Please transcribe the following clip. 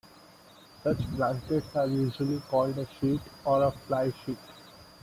Such blankets are usually called a "sheet" or a "fly sheet".